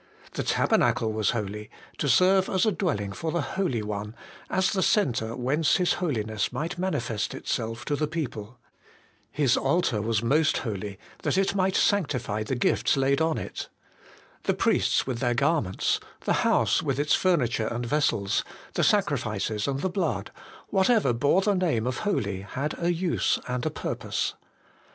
The tabernacle was holy, to serve as a dwelling for the Holy One, as the centre whence His Holiness might manifest itself to the people. The altar was most holy, that it might sanctify the gifts laid on it. The priests with their garments, the house with its furniture and vessels, the sacrifices and the blood, whatever bore the name of holy had a use and a purpose.